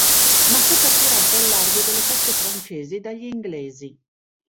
Ma fu catturato al largo delle coste francesi dagli inglesi.